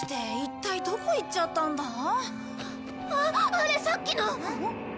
あれさっきの。